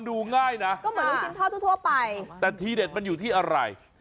ดูดนิ้วโชว์แล้วว่ะจริงมาก